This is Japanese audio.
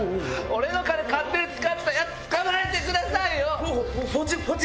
俺の金勝手に使ったヤツ捕まえてくださいよ！